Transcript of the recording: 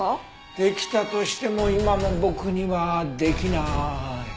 できたとしても今の僕にはできない。